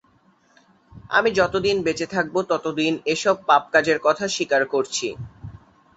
আমি যতদিন বেঁচে থাকবো ততদিন এসব পাপ কাজের কথা স্বীকার করছি।